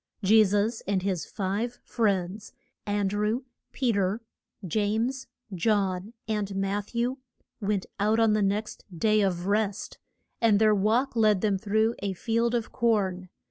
] Je sus and his five friends, An drew, Pe ter, James, John, and Matth ew, went out on the next Day of Rest, and their walk led them through a field of corn.